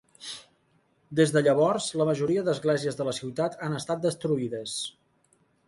Des de llavors, la majoria d'esglésies de la ciutat han estat destruïdes.